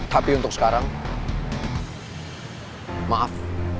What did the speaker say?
tapi untuk sekarang maaf